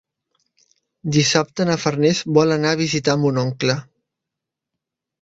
Dissabte na Farners vol anar a visitar mon oncle.